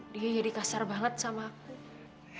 dia jadi kasar banget sama aku